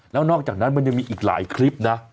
แล้วนอกจากนั้นมันยังมีอีกหลายคลิปนะ